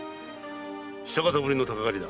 久方ぶりの鷹狩りだ。